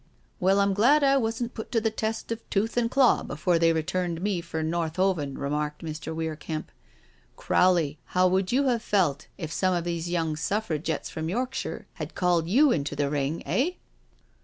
"Well, I'm glad I wasn't put to the test of tooth and claw before they returned me for North Hoven," remarked Mr. Weir Kemp. " Crowley, how would you have felt if some of these young Suffragettes from Yorkshire had called yott into the ring, eh?"